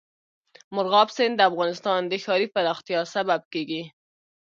مورغاب سیند د افغانستان د ښاري پراختیا سبب کېږي.